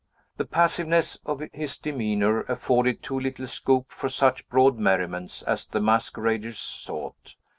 The passiveness of his demeanor afforded too little scope for such broad merriment as the masqueraders sought.